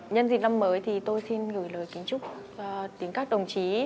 nhân dịp năm mới thì tôi xin gửi lời kính chúc đến các đồng chí